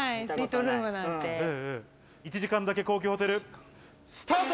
１時間だけ高級ホテル、スタート！